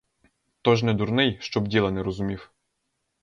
То ж не дурний, щоб діла не розумів.